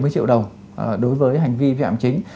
bốn mươi triệu đồng đối với hành vi vi phạm chính